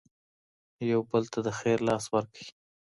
يو بل ته د خير لاس ورکړئ.